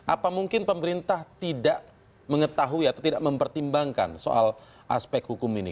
apa mungkin pemerintah tidak mengetahui atau tidak mempertimbangkan soal aspek hukum ini